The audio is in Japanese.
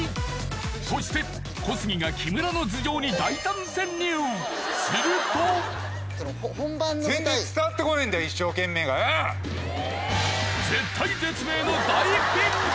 そして小杉が木村の頭上に大胆潜入するとその本番の絶体絶命の大ピンチ！？